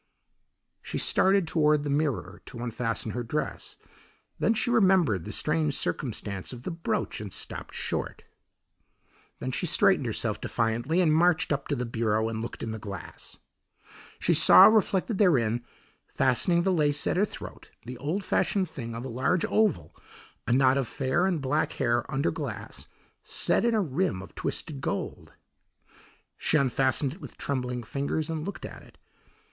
She started toward the mirror to unfasten her dress, then she remembered the strange circumstance of the brooch and stopped short. Then she straightened herself defiantly and marched up to the bureau and looked in the glass. She saw reflected therein, fastening the lace at her throat, the old fashioned thing of a large oval, a knot of fair and black hair under glass, set in a rim of twisted gold. She unfastened it with trembling fingers and looked at it.